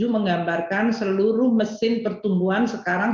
menggambarkan seluruh mesin pertumbuhan sekarang